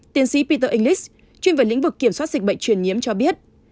tiến sĩ peter english chuyên về lĩnh vực kiểm soát dịch bệnh truyền nhiễm cho biết